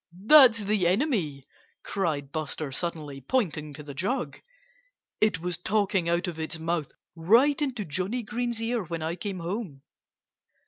"That's the enemy!" cried Buster suddenly, pointing to the jug. "It was talking out of its mouth right into Johnnie Green's ear when I came home."